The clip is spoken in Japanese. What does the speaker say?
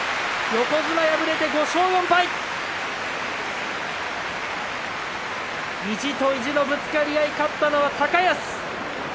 横綱、敗れて５勝４敗意地と意地のぶつかり合い勝ったのは高安。